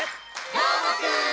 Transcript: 「どーもくん！」